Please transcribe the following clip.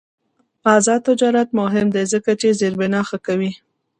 آزاد تجارت مهم دی ځکه چې زیربنا ښه کوي.